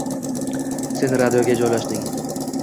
Sen radioga joylashding